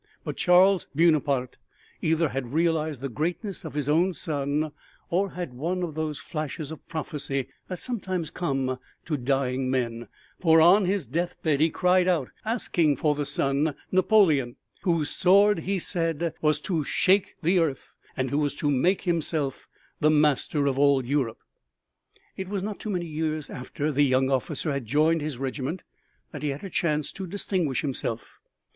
But Charles Buonaparte either had realized the greatness of his own son, or had one of those flashes of prophesy that sometimes come to dying men, for on his deathbed he cried out, asking for the son, Napoleon, whose sword, he said, was to shake the earth and who was to make himself the master of all Europe. It was not many years after the young officer had joined his regiment that he had a chance to distinguish himself.